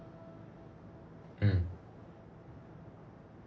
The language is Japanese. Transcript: うん。